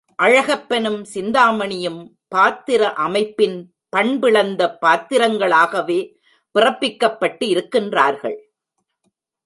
அழகப்பனும், சிந்தாமணியும் பாத்திர அமைப்பின் பண்பிழந்த பாத்திரங்களாகவே பிறப்பிக்கப்பட்டிருக்கிறார்கள்.